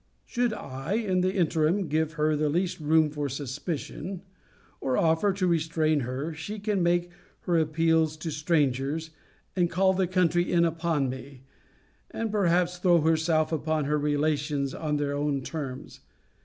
Should I, in the interim, give her the least room for suspicion; or offer to restrain her; she can make her appeals to strangers, and call the country in upon me; and, perhaps, throw herself upon her relations on their own terms.